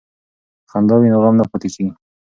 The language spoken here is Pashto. که خندا وي نو غم نه پاتې کیږي.